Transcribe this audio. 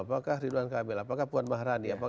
apakah ridwan kamil apakah puan maharani